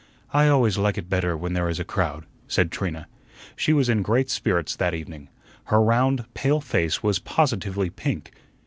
"I always like it better when there is a crowd," said Trina. She was in great spirits that evening. Her round, pale face was positively pink.